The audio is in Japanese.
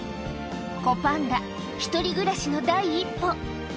子パンダ、１人暮らしの第一歩。